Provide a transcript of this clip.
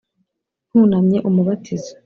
ntunamye umubatizo